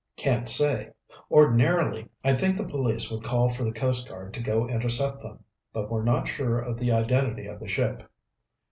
"Can't say. Ordinarily, I'd think the police would call for the Coast Guard to go intercept them. But we're not sure of the identity of the ship."